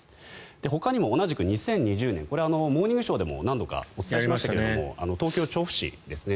ほかにも同じく２０２０年これは「モーニングショー」でも何度もお伝えしましたが東京・調布市ですね。